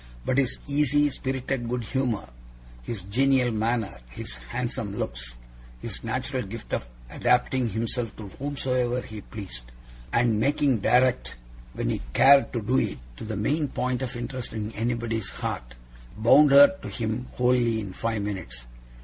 But his easy, spirited good humour; his genial manner, his handsome looks, his natural gift of adapting himself to whomsoever he pleased, and making direct, when he cared to do it, to the main point of interest in anybody's heart; bound her to him wholly in five minutes.